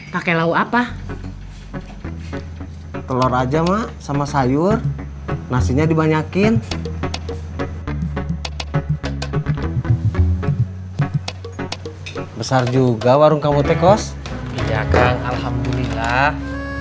pakai lauk apa telur aja mak sama sayur nasinya dibanyakin besar juga warung kamu tekos alhamdulillah